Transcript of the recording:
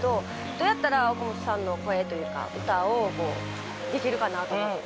どうやったら岡本さんの声というか歌を、できるかなと思って。